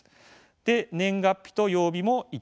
で年月日と曜日も１点ずつ。